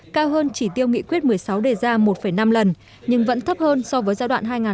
cao hơn chỉ tiêu nghị quyết một mươi sáu đề ra một năm lần nhưng vẫn thấp hơn so với giai đoạn hai nghìn sáu hai nghìn một mươi